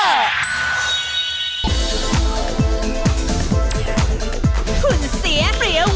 ว่าเวทเทรนนิกส์กับการกระชับบ้านทายสร้างขาเรียวสวยเนี่ย